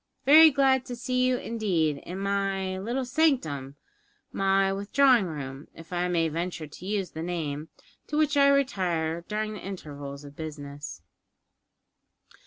"Very glad to see you, indeed, in my little sanctum, my withdrawing room, if I may venture to use the name, to which I retire during the intervals of business."